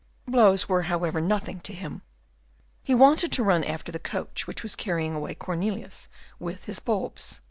Blows were, however, nothing to him. He wanted to run after the coach which was carrying away Cornelius with his bulbs.